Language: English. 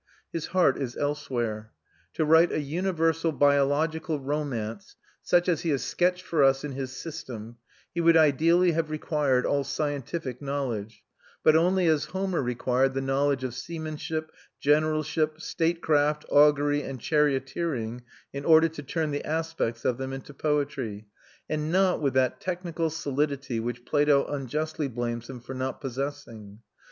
His heart is elsewhere. To write a universal biological romance, such as he has sketched for us in his system, he would ideally have required all scientific knowledge, but only as Homer required the knowledge of seamanship, generalship, statecraft, augury, and charioteering, in order to turn the aspects of them into poetry, and not with that technical solidity which Plato unjustly blames him for not possessing.